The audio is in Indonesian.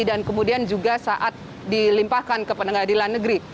dan kemudian juga saat dilimpahkan ke pengadilan negeri